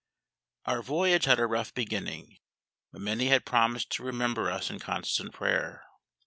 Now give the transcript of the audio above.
Our voyage had a rough beginning, but many had promised to remember us in constant prayer.